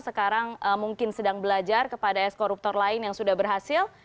sekarang mungkin sedang belajar kepada es koruptor lain yang sudah berhasil